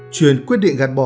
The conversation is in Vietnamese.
truyền quyết định gạt bỏ